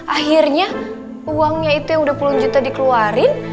akhirnya uangnya itu yang udah puluhan juta dikeluarin